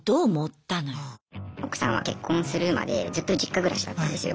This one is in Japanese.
奥さんは結婚するまでずっと実家暮らしだったんですよ。